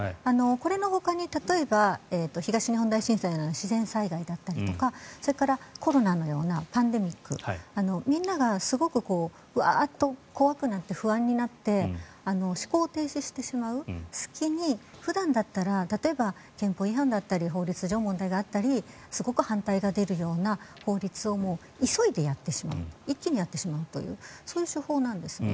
これのほかに例えば、東日本大震災のような自然災害だったりそれから、コロナのようなパンデミック、みんながすごくウワッと怖くなって不安になって思考停止してしまう隙に普段だったら例えば憲法違反だったり法律上問題があったりすごく反対が出るような法律を急いでやってしまうと一気にやってしまうというそういう手法なんですね。